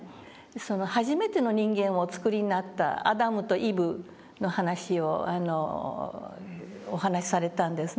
その初めての人間をおつくりになったアダムとイブの話をお話しされたんですね。